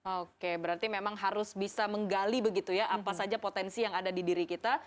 oke berarti memang harus bisa menggali begitu ya apa saja potensi yang ada di diri kita